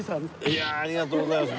いやあありがとうございます。